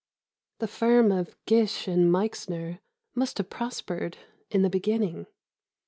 The firm of Gish and Meixner must have prospered, in the beginning.